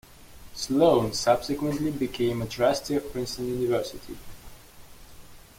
Sloan subsequently became a trustee of Princeton University.